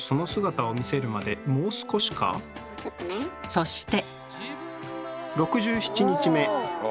そして。